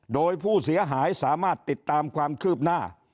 โดยผู้เสียหายสามารถติดตามความคืบหน้า